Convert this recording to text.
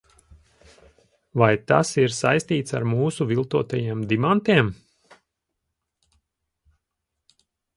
Vai tas ir saistīts ar mūsu viltotajiem dimantiem?